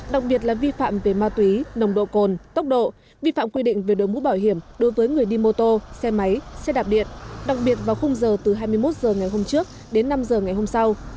đặc biệt là vi phạm về ma túy nồng độ cồn tốc độ vi phạm quy định về đối mũ bảo hiểm đối với người đi mô tô xe máy xe đạp điện đặc biệt vào khung giờ từ hai mươi một h ngày hôm trước đến năm h ngày hôm sau